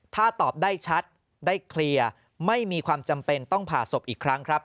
ถ้าตอบได้ชัดได้เคลียร์ไม่มีความจำเป็นต้องผ่าศพอีกครั้งครับ